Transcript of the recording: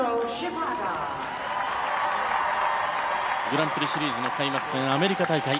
グランプリシリーズの開幕戦アメリカ大会。